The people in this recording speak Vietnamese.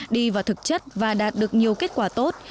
đi vào thực chất và đạt được nhiều kết quả tốt